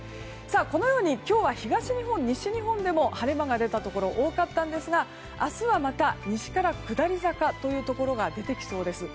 このように今日は東日本、西日本でも晴れ間が出たところ多かったんですが明日はまた西から下り坂のところが出てきそうです。